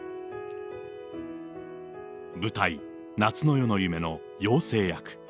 舞台、夏の夜の夢の妖精役。